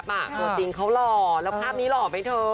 ตัวจริงเขาหล่อแล้วภาพนี้หล่อไหมเธอ